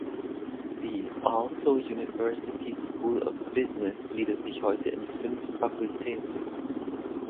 Die Aalto University School of Business gliedert sich heute in fünf Fakultäten.